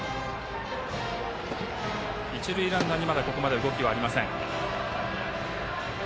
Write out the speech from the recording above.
一塁ランナーにまだ動きはありません。